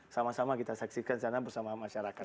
sama sama kita saksikan di sana bersama masyarakat